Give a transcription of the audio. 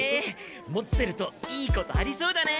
持ってるといいことありそうだね。